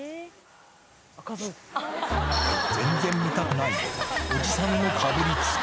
全然見たくない、おじさんのかぶりつき。